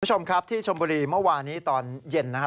คุณผู้ชมครับที่ชมบุรีเมื่อวานนี้ตอนเย็นนะฮะ